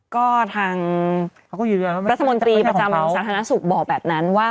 ก็ทางประสมมติประจำสาธารณสุขบอกแบบนั้นว่า